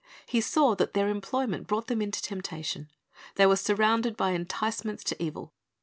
He saw that their employment brought them into temptation. They were surrounded by enticements to evil.